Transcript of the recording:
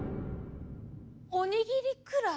「おにぎりくらい」？